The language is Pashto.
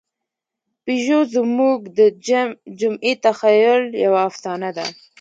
پيژو زموږ د جمعي تخیل یوه افسانه ده.